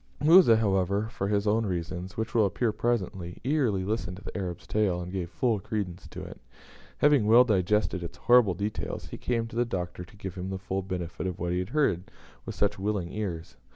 Musa, however, for his own reasons which will appear presently eagerly listened to the Arab's tale, and gave full credence to it. Having well digested its horrible details, he came to the Doctor to give him the full benefit of what he had heard with such willing ears.